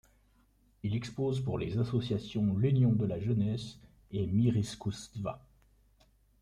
Il expose pour les associations l'Union de la jeunesse et Mir iskousstva.